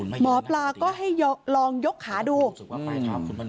หมอปลาก็ให้ลองยกขาดู